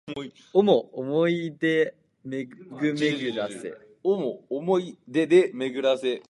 想おもい出で巡めぐらせ